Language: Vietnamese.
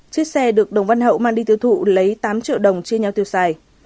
chiếc xe được đồng văn hậu mang đi tiêu thụ lấy tám triệu đồng chia nhau tiêu xài